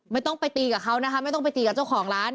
ไม่ต้องไปตีกับเขานะคะไม่ต้องไปตีกับเจ้าของร้าน